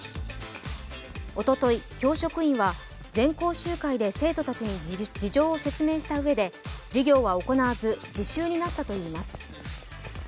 おととい、教職員は全校集会で生徒たちに事情を説明したうえで授業は行わず、自習になったといいます。